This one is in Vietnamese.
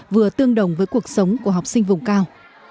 vừa tương đồng với cuộc sống của học sinh vùng cao